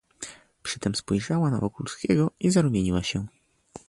"Przytem spojrzała na Wokulskiego i zarumieniła się."